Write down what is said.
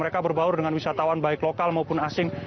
mereka berbaur dengan wisatawan baik lokal maupun asing